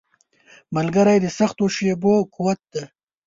ملګری د سختو شېبو قوت دی.